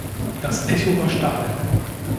Das Echo war stark.